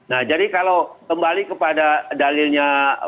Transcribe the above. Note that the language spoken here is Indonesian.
nah jadi kalau kembali kepada dalilnya